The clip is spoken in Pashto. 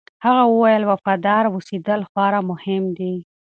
هغه وویل، وفادار اوسېدل خورا مهم دي.